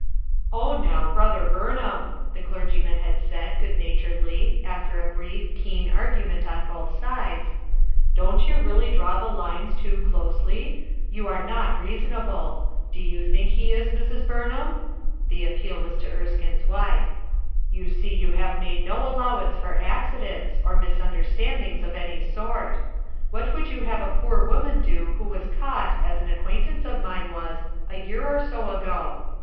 "0h ( now, brother Burnham," the clergyman had said, good naturedly, after a brief, keen ar gument on both sides: "Don't you really draw the lines too closely? You are not reasonable. Do you think he is, Mrs. Burnham ?"— the appeal was to Erskine's wife — "You see you have made no allowance for accidents, or mis understandings of any sort. What would you have a poor woman do who was caught as an acquaintance of mine was, a year or so ago?